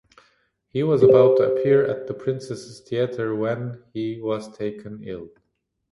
He was about to appear at the Princess’s Theatre when he was taken ill.